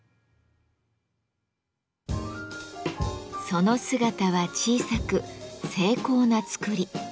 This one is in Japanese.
その姿は小さく精巧な作り。